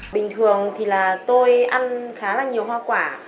bình thường thì là tôi ăn khá là nhiều hoa quả